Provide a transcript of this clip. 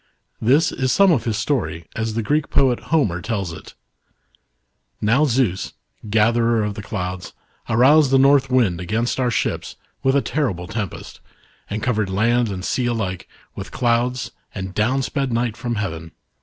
This is some of his story as the Greek poet Homer tells it :" Now Zeus, 1 gatherer of the clouds, aroused the North Wind against our ships with a terrible tempest, and covered land and sea alike with clouds, and down sped night from heaven.